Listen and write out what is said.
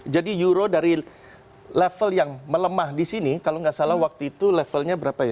jadi euro dari level yang melemah di sini kalau nggak salah waktu itu levelnya berapa ya